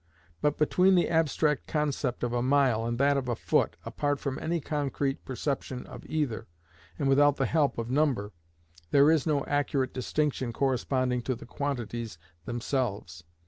But between the abstract concept of a mile and that of a foot, apart from any concrete perception of either, and without the help of number, there is no accurate distinction corresponding to the quantities themselves.